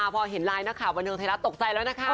พอเห็นไลน์นักข่าวบันเทิงไทยรัฐตกใจแล้วนะคะ